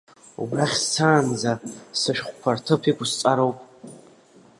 Убрахь сцаанӡа, сышәҟәқәа рҭыԥ иқәысҵароуп.